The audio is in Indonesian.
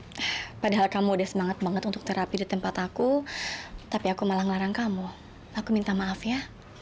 sekali lagi aku minta maaf padahal kamu udah semangat banget untuk setup di tempat aku tapi aku malah ngelarang kamu aku minta maaf ya